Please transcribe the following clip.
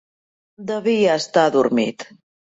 Devia estar adormit.